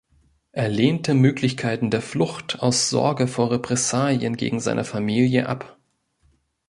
Er lehnte Möglichkeiten der Flucht aus Sorge vor Repressalien gegen seine Familie ab.